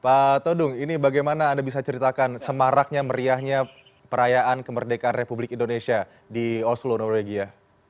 pak todung ini bagaimana anda bisa ceritakan semaraknya meriahnya perayaan kemerdekaan republik indonesia di oslo norwegia